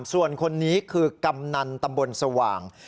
ส่วนคนนี้คือกำนันตำบลสว่าง